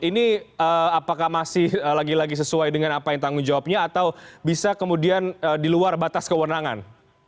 ini apakah masih lagi lagi sesuai dengan apa yang tanggung jawabnya atau bisa kemudian di luar batas kewenangan